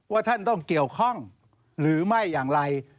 ว่าท่านต้องเกี่ยวข้องหรือไม่อย่างไร